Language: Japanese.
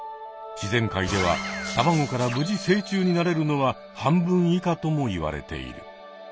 自然界ではたまごから無事成虫になれるのは半分以下ともいわれている。